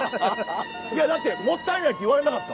いやだってもったいないって言われなかった？